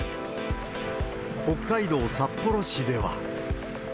北海道札幌市では。